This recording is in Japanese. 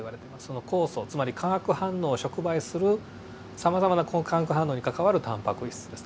その酵素つまり化学反応を触媒するさまざまな化学反応に関わるタンパク質ですね